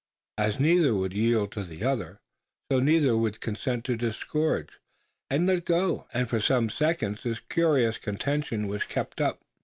As neither would yield to the other, so neither would consent to disgorge, and let go; and for some seconds this curious contention was kept up.